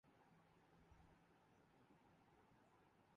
کوئی تعصب نظر نہیں آتا